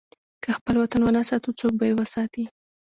که خپل وطن ونه ساتو، څوک به یې وساتي؟